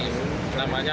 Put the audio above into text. namanya untuk kamar isolasi